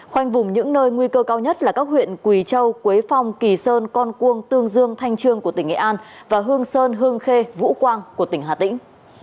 khoanh vùng những nơi nguy cơ cao nhất là các huyện quỳ châu quế phong kỳ sơn con cuông tương dương thanh trương của tỉnh nghệ an và hương sơn hương khê vũ quang của tỉnh hà tĩnh